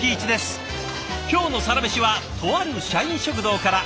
今日の「サラメシ」はとある社員食堂から。